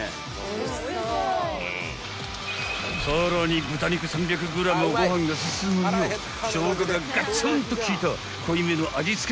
［さらに豚肉３００ｇをご飯が進むようしょうががガツンと効いた濃いめの味付けで仕上げ］